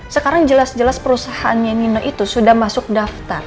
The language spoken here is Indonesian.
sekarang jelas jelas perusahaannya nino itu sudah masuk daftar